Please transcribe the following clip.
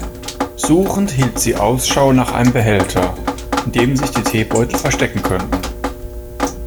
Suchend hielt sie Ausschau nach einem Behälter, in dem sich die Teebeutel verstecken könnten.